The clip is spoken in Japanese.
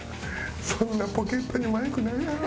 そんなポケットにマイクないやろ。